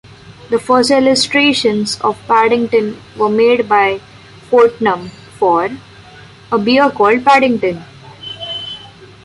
The first illustrations of Paddington were made by Fortnum for "A Bear called Paddington".